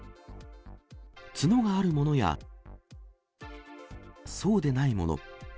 角があるものや、そうでないもの。